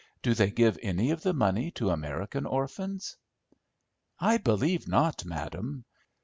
Do they give any of the money to American orphans?" "I believe not, madam.